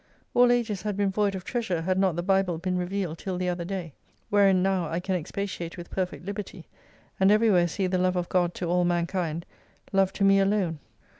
All ages had been void of treasure had not the Bible been revealed till the other day, wherein now I can expatiate with perfect liberty, and everywhere see the Love of God to all mankind Love to me alone.